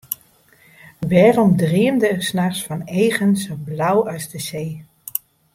Wêrom dreamde er nachts fan eagen sa blau as de see?